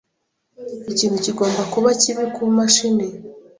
Ikintu kigomba kuba kibi kumashini.